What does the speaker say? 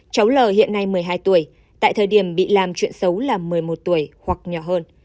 cháu l hiện nay một mươi hai tuổi tại thời điểm bị làm chuyện xấu là một mươi một tuổi hoặc nhỏ hơn